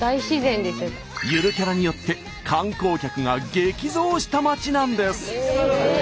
ゆるキャラによって観光客が激増した町なんです。